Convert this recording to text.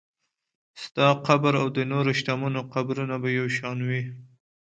ستاسو قبر او د نورو شتمنو قبرونه به یو شان وي.